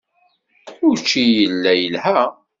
Učči yella yelha.